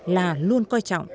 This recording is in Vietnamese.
là luôn coi trọng